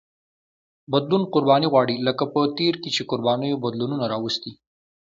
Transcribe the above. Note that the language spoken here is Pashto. بدلون قرباني غواړي لکه په تېر کې چې قربانیو بدلونونه راوستي.